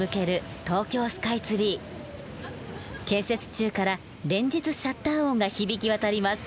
建設中から連日シャッター音が響き渡ります。